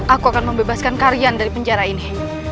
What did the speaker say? aku akan membebaskan kalian dari penjara ini